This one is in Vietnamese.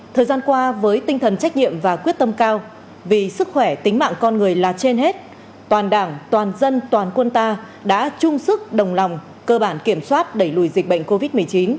thời gian qua với tinh thần trách nhiệm và quyết tâm cao vì sức khỏe tính mạng con người là trên hết toàn đảng toàn dân toàn quân ta đã chung sức đồng lòng cơ bản kiểm soát đẩy lùi dịch bệnh covid một mươi chín